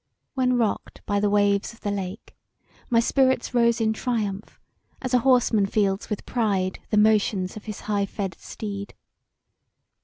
When rocked by the waves of the lake my spirits rose in triumph as a horseman feels with pride the motions of his high fed steed.